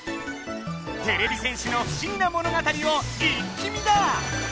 てれび戦士の不思議な物語を一気見だ！